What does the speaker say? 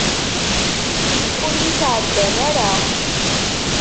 Ur yi-sεeddan ara.